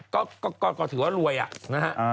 ก็ถือว่ารวยอะ